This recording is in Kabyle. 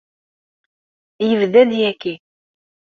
Yebda-d yagi.